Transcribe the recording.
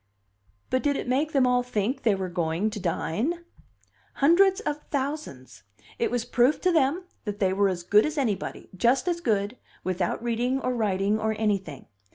"But did it make them all think they were going to dine?" "Hundreds of thousands. It was proof to them that they were as good as anybody just as good, without reading or writing or anything.